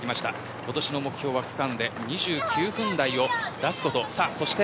今年の目標は区間で２９分台を出すこと。